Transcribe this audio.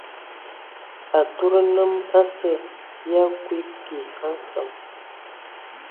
Atud nnəm asə ya kuiki a nsəŋ.